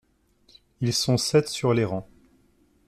Ils sont sept sur les rangs.